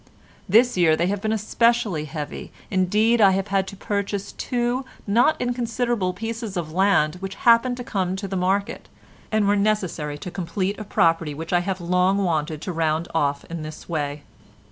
This year they have been especially heavy, indeed I have had to purchase two not inconsiderable pieces of land which happened to come into the market and were necessary to complete a property which I have long wanted to round off in this way.